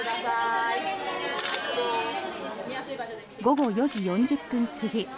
午後４時４０分過ぎ